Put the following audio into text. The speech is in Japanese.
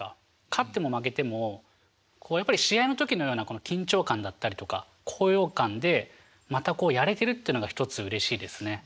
勝っても負けてもやっぱり試合の時のようなこの緊張感だったりとか高揚感でまたこうやれてるっていうのが１つうれしいですね。